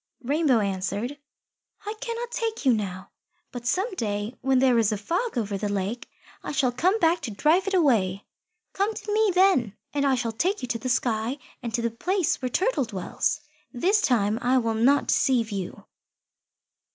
Rainbow answered, "I cannot take you now. But some day, when there is a Fog over the lake, I shall come back to drive it away. Come to me then, and I shall take you to the sky and to the place where Turtle dwells. This time I will not deceive you."